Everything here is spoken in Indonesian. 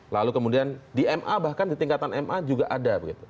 lalu kemudian di ma bahkan di tingkatan ma juga ada